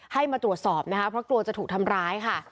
ให้มาตรวจสอบนะคะเพราะกลัวจะถูกทำร้ายค่ะ